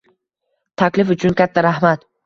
— Taklif uchun katta rahmat.